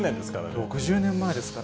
６０年前ですから。